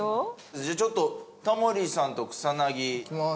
じゃあちょっとタモリさんと草薙。いきます。